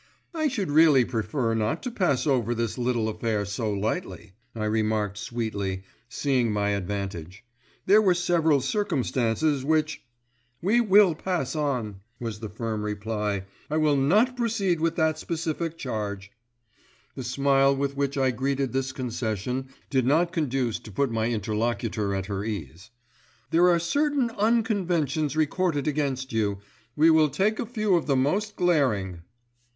"I should really prefer not to pass over this little affair so lightly," I remarked sweetly, seeing my advantage. "There were several circumstances which—" "We will pass on," was the firm reply, "I will not proceed with that specific charge." The smile with which I greeted this concession did not conduce to put my interlocutor at her ease. "There are certain unconventions recorded against you. We will take a few of the most glaring."